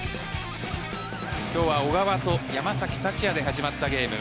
今日は小川と山崎福也で始まったゲーム。